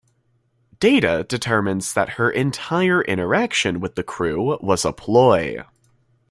Data determines that her entire interaction with the crew was a ploy.